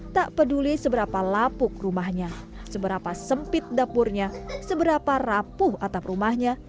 tak peduli seberapa lapuk rumahnya seberapa sempit dapurnya seberapa rapuh atap rumahnya